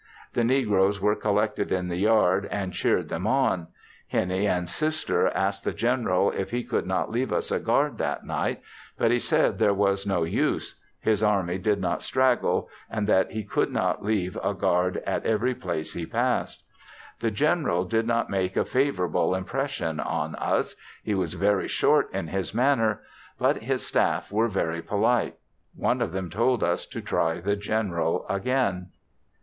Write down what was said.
The negroes were collected in the yard and cheered them on, Hennie and Sister asked the General if he could not leave us a guard that night, but, he said there was no use; his army did not straggle, and that he could not leave a guard at every place he passed. The General did not make a favorable impression on us; he was very short in his manner, but his staff were very polite. One of them told us to try the General again.